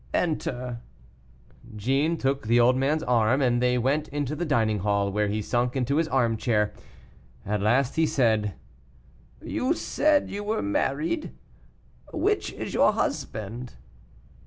Enter." Jeanne took the old man's arm, and they went into the dining hall, where he sunk into his armchair. At last, he said, "You said you were married; which is your husband?"